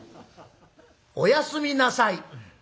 「おやすみなさい」。